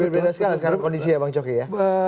bagaimana sekarang kondisi ya bang coki ya